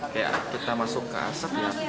kayak kita masuk ke asap ya mengapas dia